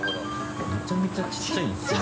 めちゃめちゃ小っちゃいですね。